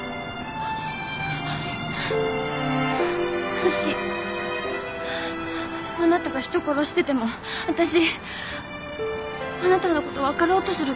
もしあなたが人殺しててもわたしあなたのこと分かろうとすると思う。